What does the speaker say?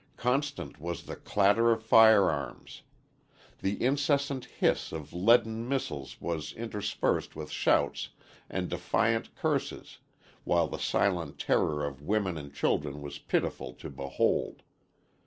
Constant was the clatter of firearms. The incessant hiss of leaden missiles was interspersed with shouts and defiant curses while the silent terror of women and children was pitiful to behold.